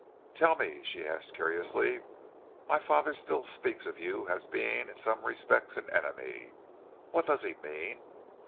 "Tell me," she asked curiously, "my father still speaks of you as being in some respects an enemy. What does he mean?"